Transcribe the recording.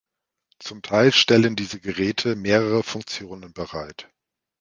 Zum Teil stellen diese Geräte mehrere Funktionen bereit.